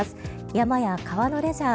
山や川のレジャー